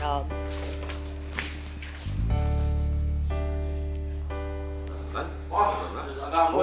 aduh anggap gue mau kesana juga om